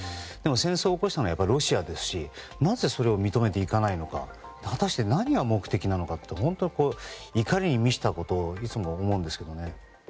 でも、戦争を起こしたのはやっぱりロシアですしなぜそれを認めていかないのか果たして何が目的なのかって怒りに満ちたことをいつも思うんですけどね。